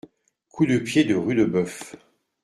Coup de pied de Rudebeuf.